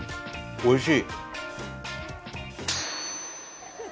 おいしい！